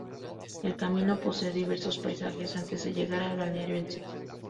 El camino posee diversos paisajes antes de llegar al balneario en sí.